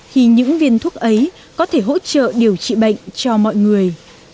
khi những viên thuốc ấy có thể hỗ trợ điều trị bệnh cho mọi người